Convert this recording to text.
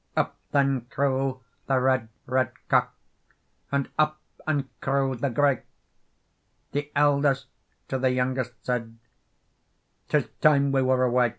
Up then crew the red, red cock, And up and crew the gray; The eldest to the youngest said, "'Tis time we were away."